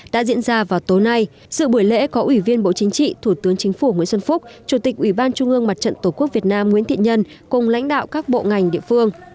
đã diễn ra vào tối nay sự buổi lễ có ủy viên bộ chính trị thủ tướng chính phủ nguyễn xuân phúc chủ tịch ủy ban trung ương mặt trận tổ quốc việt nam nguyễn thị nhân cùng lãnh đạo các bộ ngành địa phương